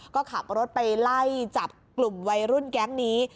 ก็ขับรถไปไล่จับกลุ่มวัยรุ่นแก๊งนี้